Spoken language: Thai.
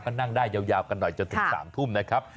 ก็นั่งได้ยาวกันหน่อยจนถึง๓ทุ่มนะครับ